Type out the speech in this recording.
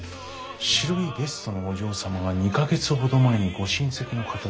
白いベストのお嬢様は２か月ほど前にご親戚の方と一度。